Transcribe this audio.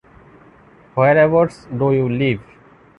Whereabouts do you live?